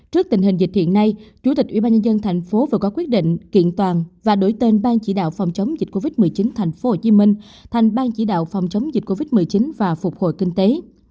trước tình hình dịch hiện nay chủ tịch ubnd thành phố vừa có quyết định kiện toàn và đổi tên ban chỉ đạo phòng chống dịch covid một mươi chín thành phố hồ chí minh thành ban chỉ đạo phòng chống dịch covid một mươi chín và phục hồi kinh tế